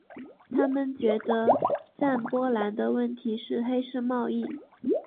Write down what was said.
他们觉得德占波兰的问题是黑市贸易。